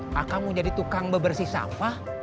maka mau jadi tukang bebersih sampah